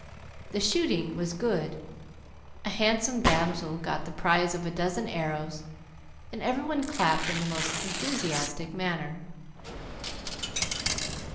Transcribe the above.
The shooting was good; a handsome damsel got the prize of a dozen arrows, and every one clapped in the most enthusiastic manner.